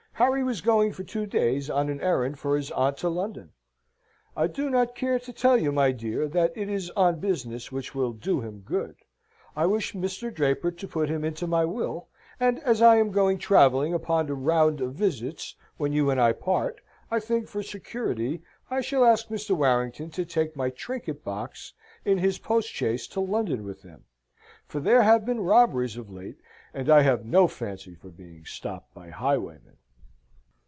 Harry was going for two days on an errand for his aunt to London. "I do not care to tell you, my dear, that it is on business which will do him good. I wish Mr. Draper to put him into my will, and as I am going travelling upon a round of visits when you and I part, I think, for security, I shall ask Mr. Warrington to take my trinket box in his postchaise to London with him, for there have been robberies of late, and I have no fancy for being stopped by highwaymen."